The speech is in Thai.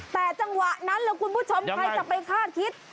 แต่จังหวะนั้นล่ะคุณผู้ชมใครจะไปคาดคิด